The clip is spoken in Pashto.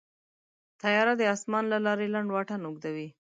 طیاره د اسمان له لارې لنډ واټن اوږدوي.